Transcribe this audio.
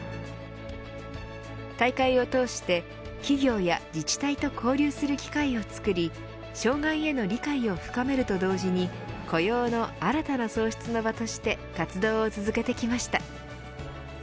大会を通して企業や自治体と交流する機会をつくり障害への理解を深めると同時に雇用の新たな創出の場として活動を続けてきました。